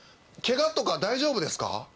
ケガとか大丈夫ですか？